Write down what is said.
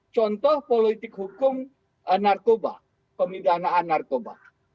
contoh politik hukum narkoba pemidanaan narkoba